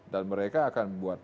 dan mereka akan buat